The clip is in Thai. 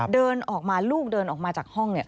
เดินออกมาลูกเดินออกมาจากห้องเนี่ย